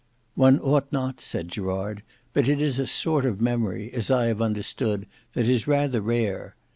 "One ought not," said Gerard: "but it is a sort of memory, as I have understood, that is rather rare.